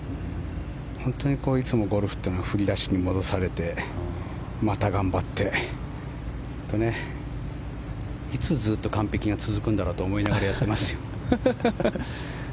本当にいつもゴルフというのは振り出しに戻されてまた頑張っていつずっと完璧が続くんだろうと思いながらやってますよ。